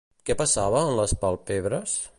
Què passava en les palpebres?